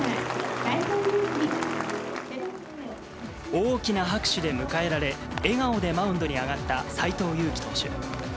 大きな拍手で迎えられ、笑顔でマウンドに上がった斎藤佑樹投手。